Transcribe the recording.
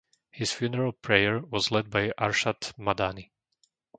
His funeral prayer was led by Arshad Madani.